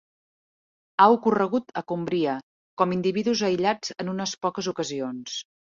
Ha ocorregut a Cumbria com individus aïllats en unes poques ocasions.